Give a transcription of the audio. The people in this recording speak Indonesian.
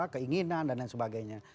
keinginan dan lain sebagainya